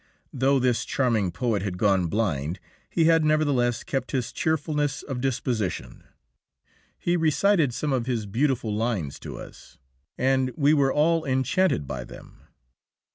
Though this charming poet had gone blind, he had nevertheless kept his cheerfulness of disposition. He recited some of his beautiful lines to us, and we were all enchanted by them.